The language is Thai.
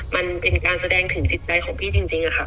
มันเป็นการแสดงถึงจิตใจของพี่จริงค่ะ